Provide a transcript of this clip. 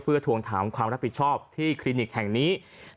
เพื่อทวงถามความรับผิดชอบที่คลินิกแห่งนี้